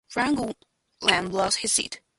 Ramgoolam lost his seat.